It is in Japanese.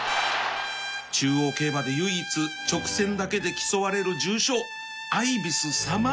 中央競馬で唯一直線だけで競われる重賞